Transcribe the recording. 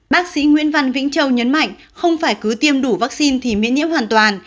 bác sĩ nguyễn văn vĩnh châu nhấn mạnh không phải cứ tiêm đủ vaccine thì miễn nhiễm hoàn toàn